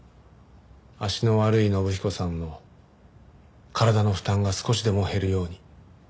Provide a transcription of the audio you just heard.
足の悪い信彦さんの体の負担が少しでも減るように。